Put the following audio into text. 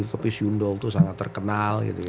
kopi sundong itu sangat terkenal gitu ya